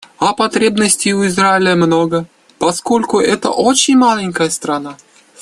А потребностей у Израиля много, поскольку — это очень маленькая страна.